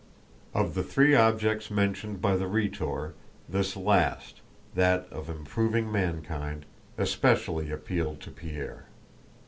Of the three objects mentioned by the Rhetor, this last, that of improving mankind, especially appealed to Pierre.